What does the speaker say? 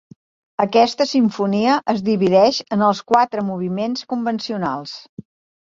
Aquesta simfonia es divideix en els quatre moviments convencionals.